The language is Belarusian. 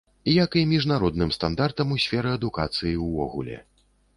Як і міжнародным стандартам у сферы адукацыі ўвогуле.